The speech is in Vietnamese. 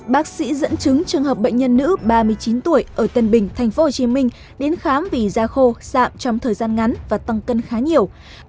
bác sĩ dẫn chứng trường hợp bệnh nhân nữ ba mươi chín tuổi ở tân bình tp hcm đến khám vì da khô sạm trong thời gian ngắn và tăng cân khá nhiều